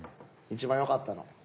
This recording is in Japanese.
一番良かったの。